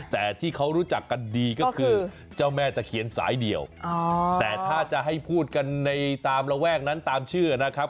แต่ที่เขารู้จักกันดีก็คือเจ้าแม่ตะเคียนสายเดี่ยวแต่ถ้าจะให้พูดกันในตามระแวกนั้นตามชื่อนะครับ